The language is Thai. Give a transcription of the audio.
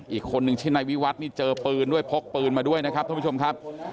อีกคนนึงชื่อนายวิวัฒน์นี่เจอปืนด้วยพกปืนมาด้วยนะครับท่านผู้ชมครับ